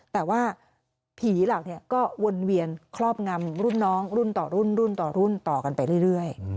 แต่ว่าผีหลักก็วนเวียนครอบงำรุ่นน้องรุ่นต่อรุ่นรุ่นต่อกันไปเรื่อย